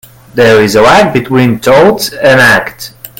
There is a lag between thought and act.